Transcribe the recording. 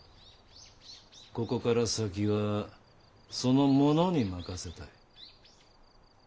ここから先はその者に任せたい。